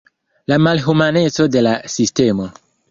La malhumaneco de la sistemo.